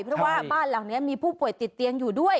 เพราะว่าบ้านหลังนี้มีผู้ป่วยติดเตียงอยู่ด้วย